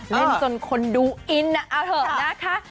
เล่นจนคนดูอินเอาเถอะนะคะ